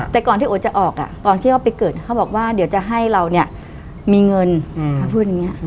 แต่ก่อนที่โอ๊จะออกตอนที่เขาไปเกิดเขาบอกว่าเดี๋ยวจะให้เราเนี่ยมีเงินเขาพูดอย่างนี้